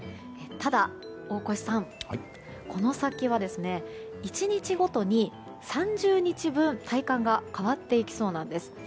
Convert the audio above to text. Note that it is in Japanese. ただ、大越さん、この先は１日ごとに３０日分、体感が変わっていきそうなんです。